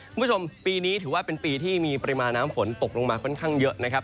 คุณผู้ชมปีนี้ถือว่าเป็นปีที่มีปริมาณน้ำฝนตกลงมาค่อนข้างเยอะนะครับ